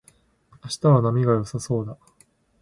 明日は波が良さそうだ